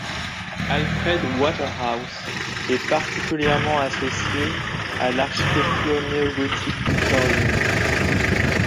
Alfred Waterhouse est particulièrement associé à l'architecture néo-gothique victorienne.